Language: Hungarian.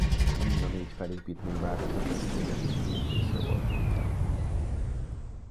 Mind a négy felépítmény-változat egységesen két részre volt bontva.